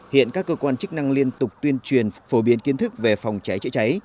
hiện các cơ quan chức năng liên tục tuyên truyền phổ biến kiến thức về phòng cháy chữa cháy